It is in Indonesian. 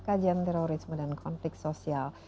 kajian terorisme dan konflik sosial